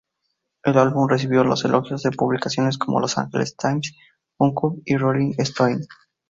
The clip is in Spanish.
El álbum recibió elogios de publicaciones como "Los Ángeles" "Times", "Uncut", y "Rolling Stone.